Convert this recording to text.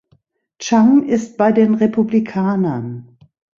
Chang ist bei den Republikanern.